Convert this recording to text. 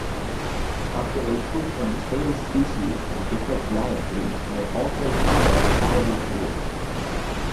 Populations of the same species from different latitudes may also follow Allen's rule.